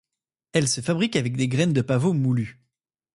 Elle se fabrique avec des graines de pavot moulues.